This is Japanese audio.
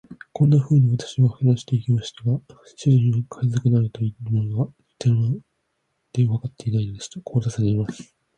こんなふうに私は話してゆきましたが、主人は海賊などというものが、てんでわからないのでした。そしてこう尋ねます。